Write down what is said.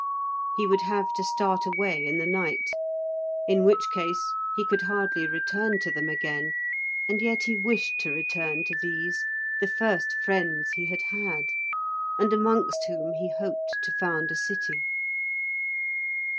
He would have to start away in the night, in which case he could hardly return to them again, and yet he wished to return to these, the first friends he had had, and amongst whom he hoped to found a city.